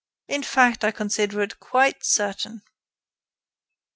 In fact, I consider it quite certain."